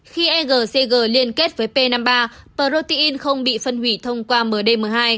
khi egcg liên kết với p năm mươi ba protein không bị phân hủy thông qua mdm hai